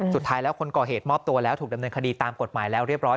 สุดท้ายแล้วคนก่อเหตุมอบตัวแล้วถูกดำเนินคดีตามกฎหมายแล้วเรียบร้อย